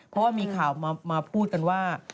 เพราะว่ามีข่าวมาพูดกันว่า